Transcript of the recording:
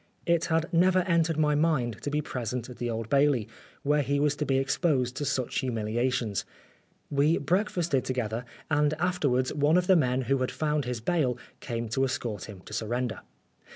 It had never entered my mind to be present at the Old Bailey, where he was to be exposed to such humiliations. We breakfasted to gether, and afterwards one of the men who had found his bail came to escort him to surrender.